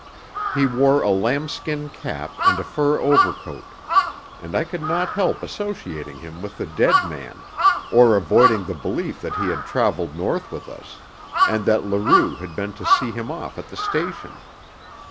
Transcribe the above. He wore a lambskin cap and a fur overcoat, and I could not help associating him with the dead man, or avoiding the belief that he had travelled north with us, and that Leroux had been to see him off at the station.